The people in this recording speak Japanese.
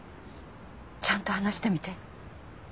ちゃんと話してみて。